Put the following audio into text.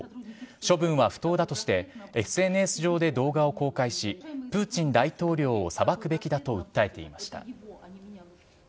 処分は不当だとして、ＳＮＳ上で動画を公開し、プーチン大統領を裁くべきだと訴えていました。